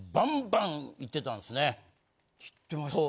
いってましたね。